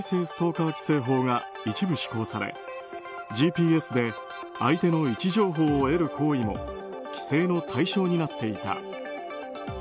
ストーカー規制法が一部施行されＧＰＳで相手の位置情報を得る行為も規制の対象になっていた。